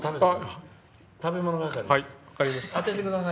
食べてください。